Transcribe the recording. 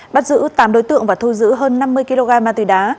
bắt giữ tám đối tượng và thu giữ hơn năm mươi kg ma túy đá